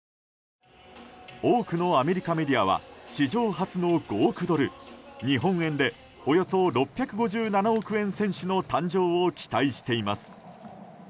多くのアメリカメディアは史上初の５億ドル日本円でおよそ６５７億円選手の誕生を期待しています。